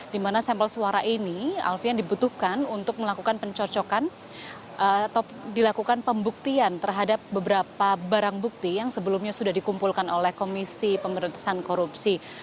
di mana sampel suara ini alfian dibutuhkan untuk melakukan pencocokan atau dilakukan pembuktian terhadap beberapa barang bukti yang sebelumnya sudah dikumpulkan oleh komisi pemerintahan korupsi